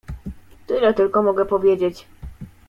"Tyle tylko mogę powiedzieć."